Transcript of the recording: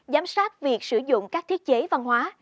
giám sát việc sử dụng các thiết chế văn hóa